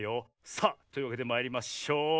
さあというわけでまいりましょう！